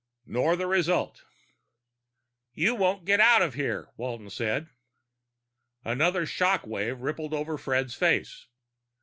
Nor the result." "You won't get out of here," Walton said. Another shock wave rippled over Fred's face.